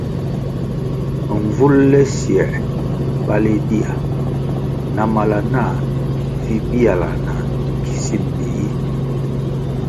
Mvul le siē baleh dia na mala nah vi biala na kisin biyi.